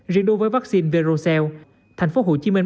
riêng đối với vaccine verocell thành phố hồ chí minh